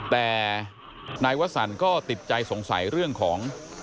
แต่นายวสันก็ติดใจสงสัยเรื่องของ